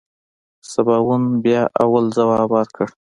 سباوون بيا اول ځواب ورکړ.